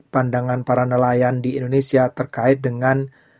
pandangan para nelayan di indonesia terkait dengan